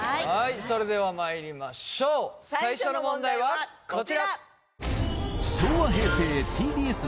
それではまいりましょう最初の問題はこちら